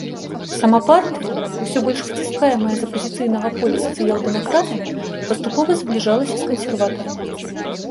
Сама партыя, усё больш выціскаемая з апазіцыйнага поля сацыял-дэмакратамі, паступова збліжалася з кансерватарамі.